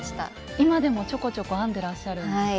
今でもちょこちょこ編んでらっしゃるんですか？